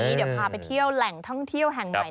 เดี๋ยวพาไปเที่ยวแหล่งท่องเที่ยวแห่งใหม่